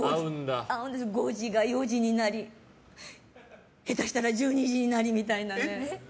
５時が４時になり下手したら１２時になりみたいな。